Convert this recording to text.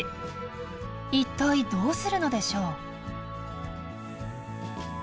一体どうするのでしょう？